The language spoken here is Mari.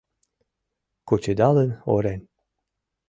Кучедалын орен.